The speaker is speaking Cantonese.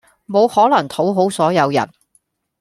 無可能討好所有人